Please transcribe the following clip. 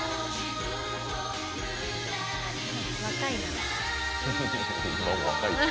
若いな。